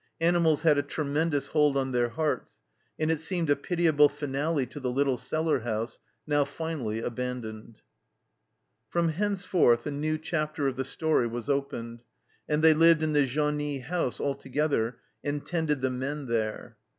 Animals had a tremendous hold on their hearts, and it seemed a pitiable finale to the little cellar house, now finally abandoned. From henceforth a new chapter of the story was opened, and they lived in the genie house altogether and tended the men there.